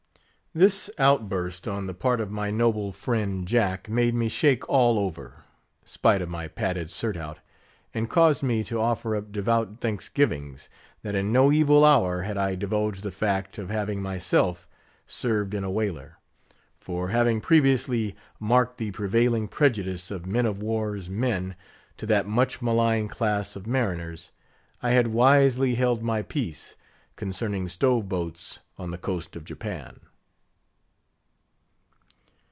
This outburst on the part of my noble friend Jack made me shake all over, spite of my padded surtout; and caused me to offer up devout thanksgivings, that in no evil hour had I divulged the fact of having myself served in a whaler; for having previously marked the prevailing prejudice of men of war's men to that much maligned class of mariners, I had wisely held my peace concerning stove boats on the coast of Japan.